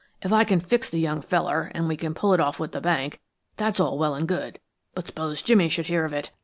If I can fix the young feller, and we can pull it off with the bank, that's all well and good. But s'pose Jimmy should hear of it?